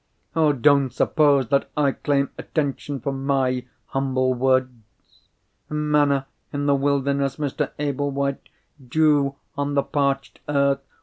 "Oh, don't suppose that I claim attention for My humble words! Manna in the wilderness, Mr. Ablewhite! Dew on the parched earth!